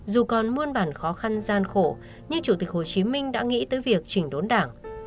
dù còn muôn bản khó khăn gian khổ nhưng chủ tịch hồ chí minh đã nghĩ tới việc chỉnh đốn đảng